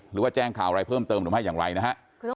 หรือว่าแจ้งข่าวอะไรเพิ่มเติมหรือไม่อย่างไรนะฮะ